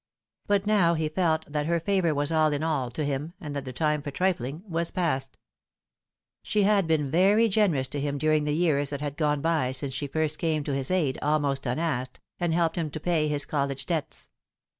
But now he felt that her favour was all ia ail to him, aud that the time for trifling wa# past. 288 The Fatal Three. She had been very generous to him during the years that had gone by since she first came to his aid almost unasked, and helped him to pay his college debts.